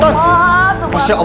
tepat tempat tempat